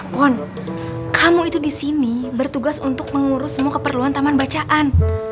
pond kamu itu disini bertugas untuk mengurus semua keperluan taman bacaan